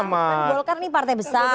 golkar ini partai besar